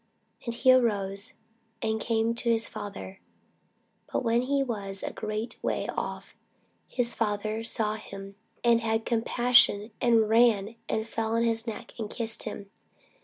And he arose, and came to his father. But when he was yet a great way off, his father saw him, and had compassion, and ran, and fell on his neck, and kissed him.